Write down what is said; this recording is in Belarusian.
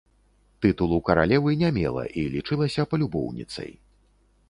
Тытулу каралевы не мела і лічылася палюбоўніцай.